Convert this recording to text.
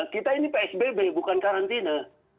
kita ini psbb bukan karantina